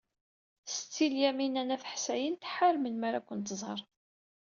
Setti Lyamina n At Ḥsayen tḥar melmi ara kent-tẓer.